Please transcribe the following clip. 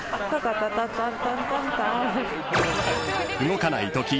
［動かないとき］